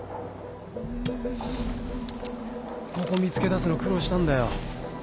ここ見つけだすの苦労したんだよ。